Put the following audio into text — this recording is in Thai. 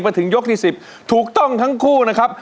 มาถึงยกที่๑๐ถูกต้องทั้งคู่นะครับ